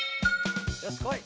よしこい！